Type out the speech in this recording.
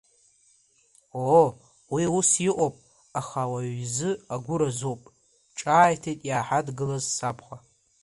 Оо, уи ус иҟоуп, аха ауаҩ изы агәы разуп, ҿааиҭит иааҳадгылаз сабхәа.